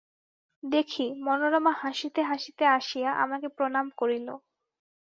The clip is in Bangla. দেখি, মনোরমা হাসিতে হাসিতে আসিয়া আমাকে প্রণাম করিল।